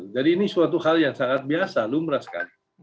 jadi ini suatu hal yang sangat biasa lu merasakan